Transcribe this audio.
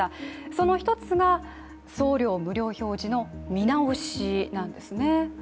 その一つが送料無料表示の見直しなんですね。